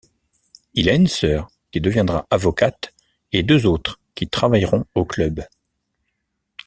Il a une sœur qui deviendra avocate et deux autres qui travailleront au Club.